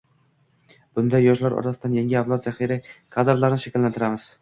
Bunday yoshlar orasidan yangi avlod zaxira kadrlarini shakllantiramiz.